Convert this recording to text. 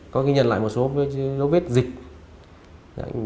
có ghi nhận lại một số lỗ vết dịch